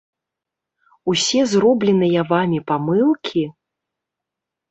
Усе зробленыя вамі памылкі?